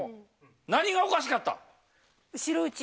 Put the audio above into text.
何がおかしかった？